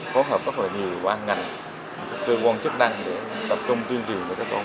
cố hợp rất là nhiều với các ngành các cơ quan chức năng để tập trung tuyên truyền cho các con